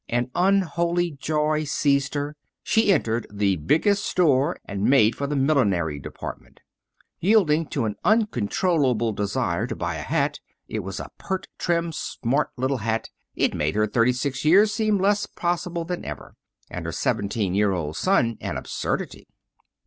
An unholy joy seized her. She entered the Biggest Store and made for the millinery department, yielding to an uncontrollable desire to buy a hat. It was a pert, trim, smart little hat. It made her thirty six years seem less possible than ever, and her seventeen year old son an absurdity.